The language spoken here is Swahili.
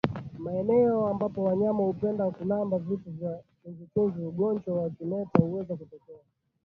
Maeneo ambapo wanyama hupenda kulamba vitu vya chumvichumvi ugonjwa wa kimeta huweza kutokea